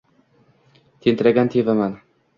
Tentiragan tevaman